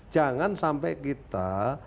jangan sampai kita